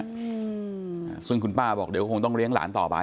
อืมส่วนคุณป้าบอกเดี๋ยวคงต้องเลี้ยงหลานต่อไปอ่ะ